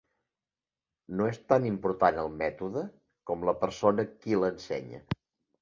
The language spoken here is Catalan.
No és tan important el mètode com la persona qui l’ensenya.